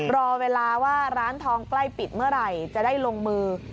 รอเวลาว่าร้านทองใกล้ปิดเมื่อไหร่จะได้ลงมือ